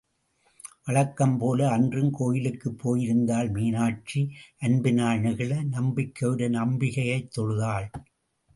வழக்கம் போல, அன்றும் கோயிலுக்குப் போயிருந்தாள் மீனாட்சி, அன்பினால் நெகிழ, நம்பிக்கையுடன் அம்பிகையைத் தொழுதாள்.